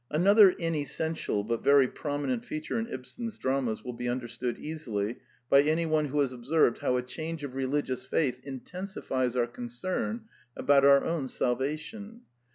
Another inessential but very prominent feature in Ibsen's dramas will be understood easily by anyone who has observed how a change of re ligious faith intensifies our concern about our own salvation.